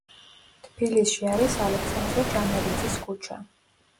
თბილისში არის ალექსანდრე ჯანელიძის ქუჩა.